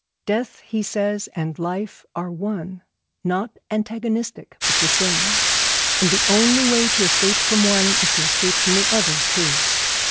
Death, he says, and life are one; not antagonistic, but the same; and the only way to escape from one is to escape from the other too.